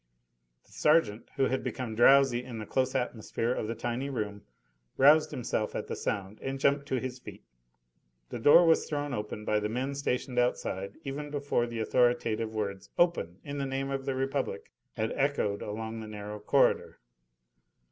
The sergeant, who had become drowsy in the close atmosphere of the tiny room, roused himself at the sound and jumped to his feet. The door was thrown open by the men stationed outside even before the authoritative words, "Open! in the name of the Republic!" had echoed along the narrow corridor.